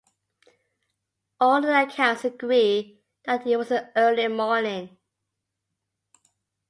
All the accounts agree that it was early morning.